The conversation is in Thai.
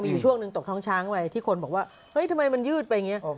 อยู่ช่วงหนึ่งตกท้องช้างไปที่คนบอกว่าเฮ้ยทำไมมันยืดไปอย่างนี้